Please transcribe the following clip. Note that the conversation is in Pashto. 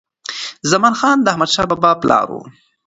زمان خان د احمدشاه بابا پلار و.